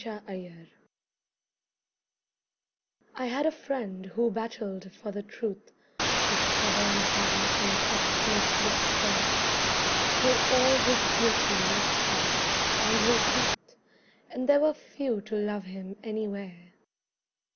MY FRIEND I had a friend who battled for the truth With stubborn heart and obstinate despair, Till all his beauty left him, and his youth, And there were few to love him anywhere.